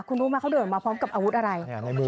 คุณรู้ไหมเขาเดินมาพร้อมกับอาวุธอะไร